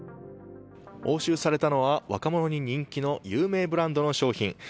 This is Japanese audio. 押収されたのは若者に人気の有名ブランドの商品。